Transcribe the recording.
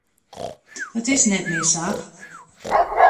It is net mear sa.